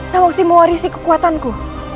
namwongsi mewarisi kekuatanku